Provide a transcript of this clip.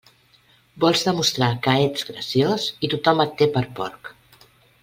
Vols demostrar que ets graciós i tothom et té per porc.